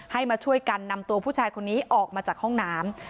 มาช่วยกันนำตัวผู้ชายคนนี้ออกมาจากห้องน้ำ